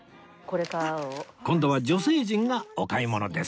今度は女性陣がお買い物です